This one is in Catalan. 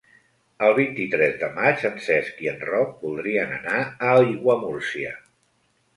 El vint-i-tres de maig en Cesc i en Roc voldrien anar a Aiguamúrcia.